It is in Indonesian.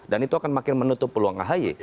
dan itu akan makin menutup peluang ahy